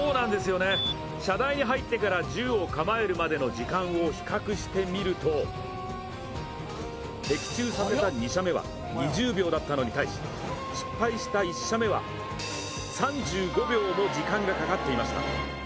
射台に入ってから銃を構えるまでの時間を比較してみると的中させた２射目は２０秒だったのに対し、失敗した１射目は３５秒も時間がかかっていました。